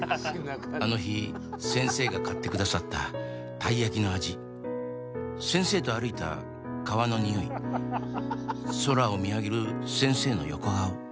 「あの日先生が買ってくださったたい焼きの味」「先生と歩いた川のにおい」「空を見上げる先生の横顔」